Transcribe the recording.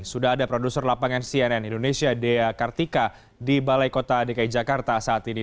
sudah ada produser lapangan cnn indonesia dea kartika di balai kota dki jakarta saat ini